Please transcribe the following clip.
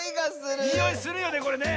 においするよねこれね！